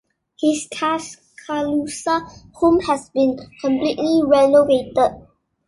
His Tuscaloosa home has been completely renovated.